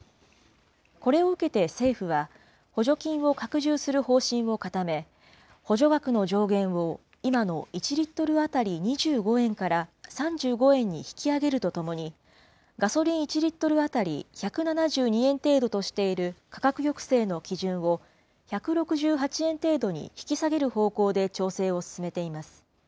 これを受けて政府は、補助金を拡充する方針を固め、補助枠の上限を、今の１リットル当たり２５円から３５円に引き上げるとともに、ガソリン１リットル当たり１７２円程度としている価格抑制の基準を１６８円程度に引き下げる方向で調整を進めています。